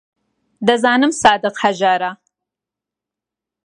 دەزانم سادق هەژارە.